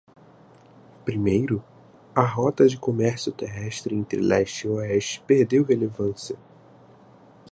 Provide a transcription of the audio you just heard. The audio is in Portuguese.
Primeiro?, a rota de comércio terrestre entre leste e oeste perdeu relevância.